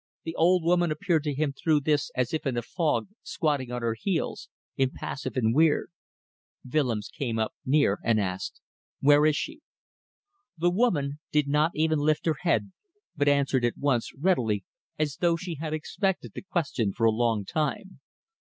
The old woman appeared to him through this as if in a fog, squatting on her heels, impassive and weird. Willems came up near and asked, "Where is she?" The woman did not even lift her head, but answered at once, readily, as though she had expected the question for a long time.